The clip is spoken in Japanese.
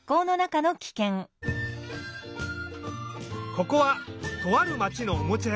ここはとあるまちのおもちゃやさん。